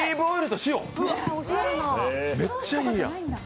めっちゃええやん。